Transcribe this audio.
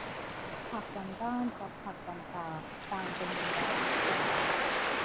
ผักหวานบ้านกับผักหวานป่า ต่างกันอย่างไร